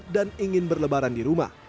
dan ingin berlebaran di rumah